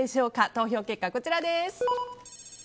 投票結果はこちらです。